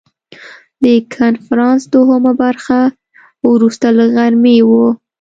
د کنفرانس دوهمه برخه وروسته له غرمې وه.